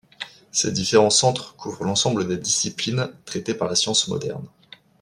Ces différents centres couvrent l'ensemble des disciplines traitées par la science moderne.